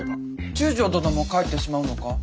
中将殿も帰ってしまうのか？